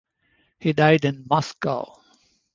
He died in Moscow.